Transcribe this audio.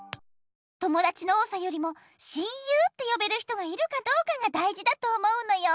ともだちの多さよりも親友ってよべる人がいるかどうかがだいじだと思うのよ。